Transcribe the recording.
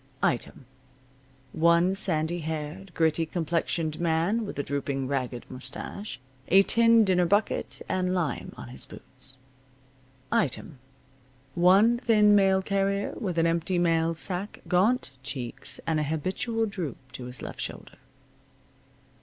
Item: One sandy haired, gritty complexioned man, with a drooping ragged mustache, a tin dinner bucket, and lime on his boots. Item: One thin mail carrier with an empty mail sack, gaunt cheeks, and an habitual droop to his left shoulder.